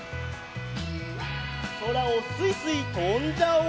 そらをすいすいとんじゃおう。